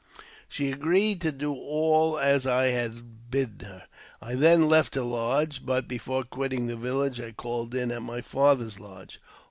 She agreed to do all as I had bidden her ; I then left hei lodge ; but, before quitting the village, I called in at m^ father's lodge.